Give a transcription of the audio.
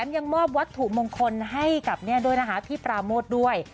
ยังมอบวัตถุมงคลให้กับพี่ปราโมทด้วย